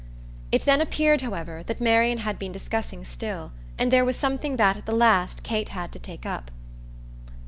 It then appeared, however, that Marian had been discussing still, and there was something that at the last Kate had to take up.